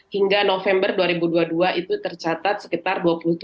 hingga november dua ribu dua puluh dua itu tercatat sekitar dua puluh tiga